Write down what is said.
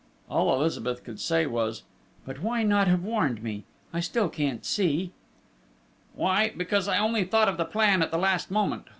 All Elizabeth could say was: "But why not have warned me?... I still can't quite see!..." "Why, because, I only thought of the plan at the last moment!